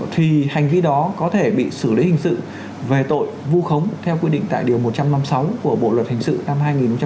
thì hành vi đó có thể bị xử lý hình sự về tội vu khống theo quy định tại điều một trăm năm mươi sáu của bộ luật hình sự năm hai nghìn một mươi năm